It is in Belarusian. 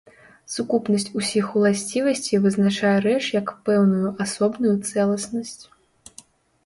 Сукупнасць усіх уласцівасцей вызначае рэч як пэўную асобную цэласнасць.